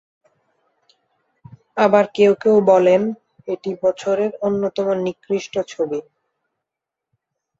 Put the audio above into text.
আবার কেউ কেউ বলেন, এটি বছরের অন্যতম নিকৃষ্ট ছবি।